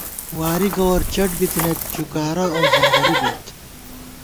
وارِی گوَر چَٹ بِتَنَئیت ، چُکارہ اؤ ځنگَلی بوئیت